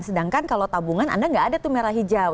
sedangkan kalau tabungan anda nggak ada tuh merah hijau